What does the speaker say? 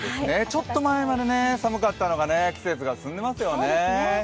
ちょっと前まで寒かったのが季節が進んでいますよね。